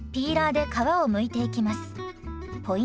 ポイントは。